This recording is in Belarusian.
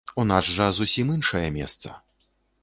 У нас жа зусім іншае месца.